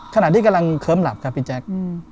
ขณะที่กำลังเคิ้มหลับครับพี่แจ๊ค